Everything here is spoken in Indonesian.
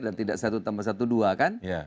dan tidak satu tambah satu dua kan